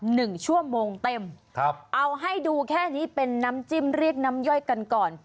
หนึ่งชั่วโมงเต็มครับเอาให้ดูแค่นี้เป็นน้ำจิ้มเรียกน้ำย่อยกันก่อน